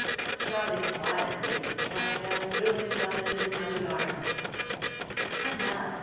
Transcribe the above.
Sobbing violently, Martial threw himself into his mother's arms. "Enough!"